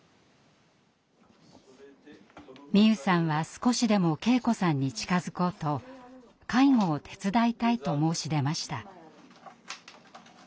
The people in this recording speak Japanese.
美夢さんは少しでも圭子さんに近づこうと「介護を手伝いたい」と申し出ました。